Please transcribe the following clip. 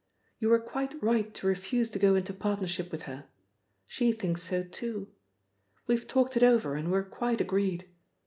You were quite right to refuse to go into partnership with her. She thinks so too. We've talked it over, and we're quite agreed.